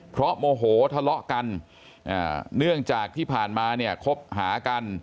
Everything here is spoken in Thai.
เพราะโมโหทะเลาะกันเนื่องจากที่ผ่านมาเนี่ยคบหากัน